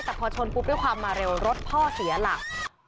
แต่พอชนปุ๊บด้วยความมาเร็วรถพ่อเสียหลัก